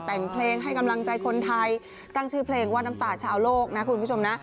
แต่งเพลงให้กำลังใจคนไทยตั้งชื่อเพลงว่าน้ำตาชาวโลกนะคุณผู้ชมนะ